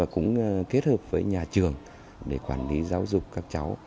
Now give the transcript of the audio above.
cũng kết hợp với nhà trường để quản lý giáo dục các cháu